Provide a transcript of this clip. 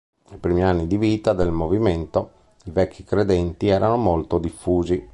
Nei primi anni di vita del movimento i Vecchi credenti erano molto diffusi.